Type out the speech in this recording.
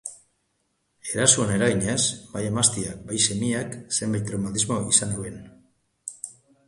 Erasoaren eraginez, bai emazteak, bai semeak zenbait traumatismo izan zuten.